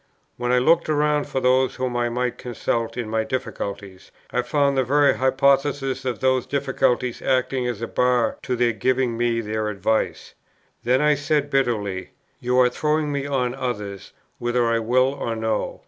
When I looked round for those whom I might consult in my difficulties, I found the very hypothesis of those difficulties acting as a bar to their giving me their advice. Then I said, bitterly, "You are throwing me on others, whether I will or no."